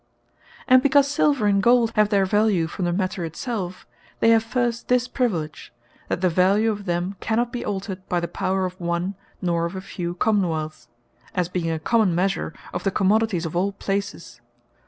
And because Silver and Gold, have their value from the matter it self; they have first this priviledge, that the value of them cannot be altered by the power of one, nor of a few Common wealths; as being a common measure of the commodities of all places.